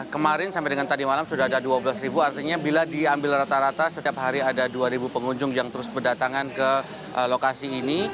kemarin sampai dengan tadi malam sudah ada dua belas ribu artinya bila diambil rata rata setiap hari ada dua pengunjung yang terus berdatangan ke lokasi ini